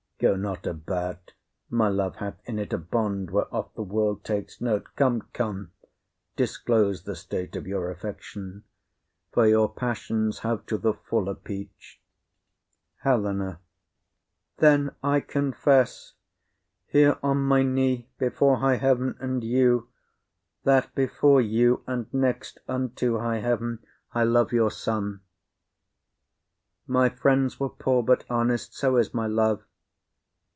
Go not about; my love hath in't a bond Whereof the world takes note. Come, come, disclose The state of your affection, for your passions Have to the full appeach'd. HELENA. Then I confess, Here on my knee, before high heaven and you, That before you, and next unto high heaven, I love your son. My friends were poor, but honest; so's my love.